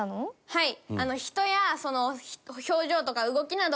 はい。